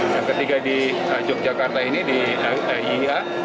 yang ketiga di yogyakarta ini di ii